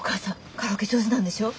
カラオケ上手なんでしょ？